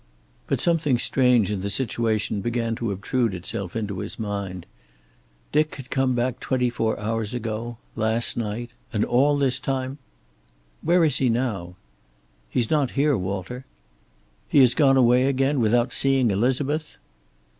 But something strange in the situation began to obtrude itself into his mind. Dick had come back twenty four hours ago. Last night. And all this time "Where is he now?" "He's not here, Walter." "He has gone away again, without seeing Elizabeth?"